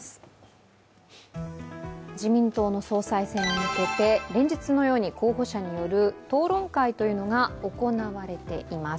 自民党の総裁選に向けて、連日のように候補者による、討論会というのが行われています。